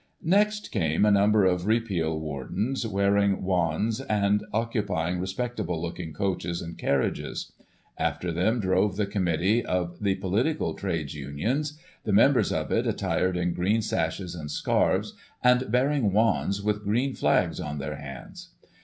" Next came a number of Repeal wardens, bearing wands, and occupying respectable looking coaches and carriages. After them drove the committee of the political trades* unions ; the members of it attired in green sashes and scarves, and bearing wands with green flags in their hands.